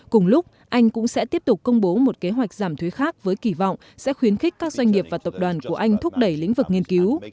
cùng lúc anh cũng sẽ tiếp tục công bố một kế hoạch giảm thuế khác với kỳ vọng sẽ khuyến khích các doanh nghiệp và tập đoàn của anh thúc đẩy lĩnh vực nghiên cứu